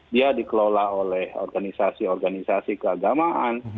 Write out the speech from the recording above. dia dikelola oleh organisasi organisasi keagamaan